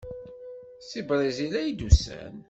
Seg Brizil ay d-usan.